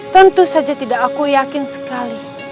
tentu saja tidak aku yakin sekali